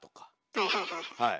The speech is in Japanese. はいはいはいはい。